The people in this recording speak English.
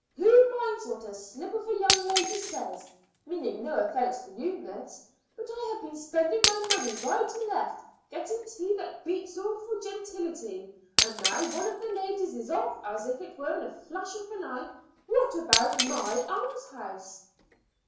Who minds what a slip of a young lady says? meaning no offence to you, miss; but I have been spending my money right and left, getting tea that beats all for gentility, and now one of the ladies is off as it were in a flash of an eye. What about my almshouse?"